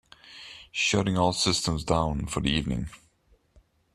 Shutting all systems down for the evening.